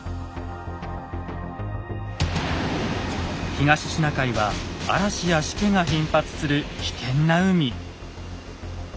東シナ海は嵐やしけが頻発する危険な海。